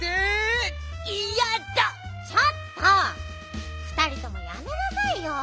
ちょっとふたりともやめなさいよ。